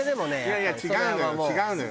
いやいや違うのよ違うのよ。